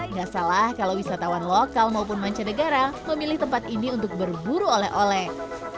gak salah kalau wisatawan lokal maupun mancanegara memilih tempat ini untuk berburu oleh oleh